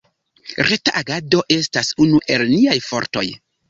Reta agado estas unu el niaj fortoj.